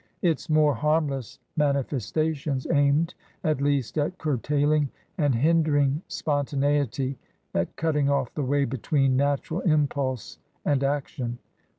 Its more harmless manifestations aimed at least at curtailing and hindering spontaneity, at cutting off the way between natural impulse and action.